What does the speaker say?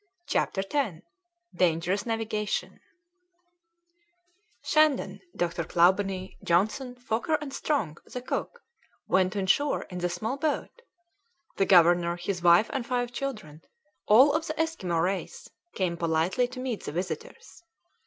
CHAPTER X DANGEROUS NAVIGATION Shandon, Dr. Clawbonny, Johnson, Foker, and Strong, the cook, went on shore in the small boat. The governor, his wife, and five children, all of the Esquimaux race, came politely to meet the visitors.